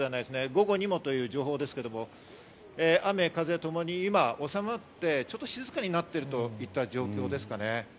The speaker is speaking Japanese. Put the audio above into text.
午後にもという情報ですが、雨、風ともに今、収まってちょっと静かになっているといった状況ですかね。